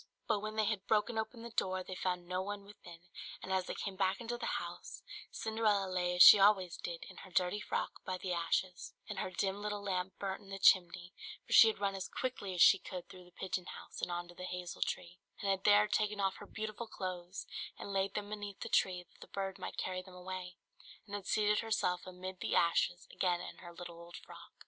But when they had broken open the door they found no one within; and as they came back into the house, Cinderella lay as she always did, in her dirty frock by the ashes, and her dim little lamp burnt in the chimney; for she had run as quickly as she could through the pigeon house and on to the hazel tree, and had there taken off her beautiful clothes, and laid them beneath the tree, that the bird might carry them away, and had seated herself amid the ashes again in her little old frock.